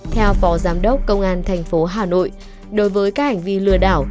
theo phó giám đốc công an thành phố hà nội đối với các hành vi lừa đảo